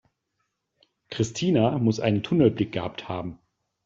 Christina muss einen Tunnelblick gehabt haben.